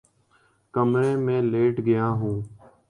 کمرے میں لیٹ گیا ہوں